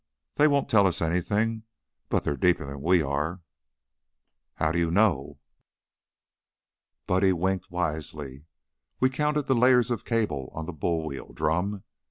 They won't tell us anything, but they're deeper 'n we are." "How do you know?" Buddy winked wisely. "We counted the layers of cable on the bull wheel drum.